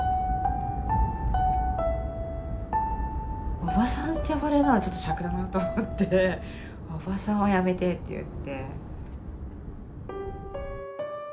「おばさん」って呼ばれるのはちょっとしゃくだなと思って「おばさんはやめて」って言って。